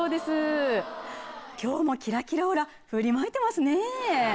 今日もキラキラオーラ振りまいてますね。